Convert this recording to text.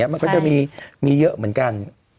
มันก็จะมีเยอะเหมือนกัน